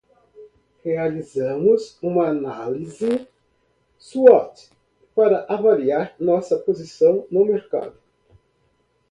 Realizamos uma análise SWOT para avaliar nossa posição no mercado.